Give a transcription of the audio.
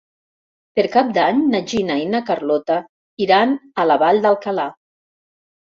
Per Cap d'Any na Gina i na Carlota iran a la Vall d'Alcalà.